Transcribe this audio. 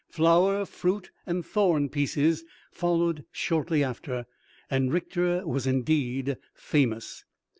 "Flower, Fruit, and Thorn Pieces" followed shortly after, and Richter was indeed famous.